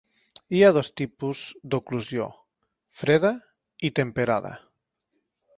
Hi ha dos tipus d'oclusió: freda i temperada.